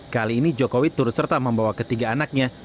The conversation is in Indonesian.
kali ini jokowi turut serta membawa ketiga anaknya